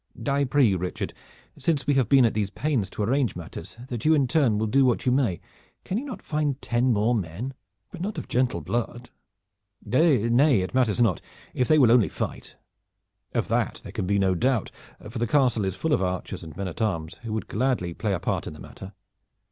I pray you, Richard, since we have been at these pains to arrange matters, that you in turn will do what you may. Can you not find ten more men?" "But not of gentle blood." "Nay, it matters not, if they will only fight." "Of that there can be no doubt, for the castle is full of archers and men at arms who would gladly play a part in the matter."